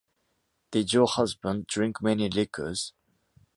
Did you husband drink many liqueurs?